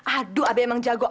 aduh abi emang jago